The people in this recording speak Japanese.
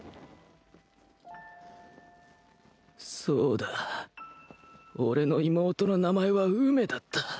そうだ俺の妹の名前は梅だった